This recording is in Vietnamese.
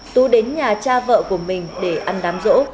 tú đến nhà cha vợ của mình để ăn đám rỗ